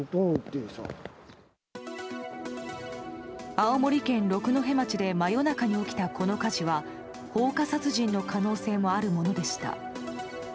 青森県六戸町で真夜中に起きた、この火事は放火殺人の可能性もあるものでした。